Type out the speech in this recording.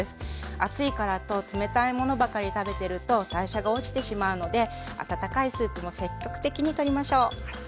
暑いからと冷たいものばかり食べてると代謝が落ちてしまうので温かいスープも積極的にとりましょう。